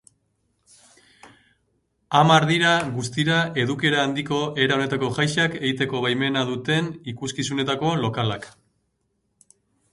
Hamar dira guztira edukiera handiko era honetako jaiak egiteko baimena duten ikuskizunetako lokalak.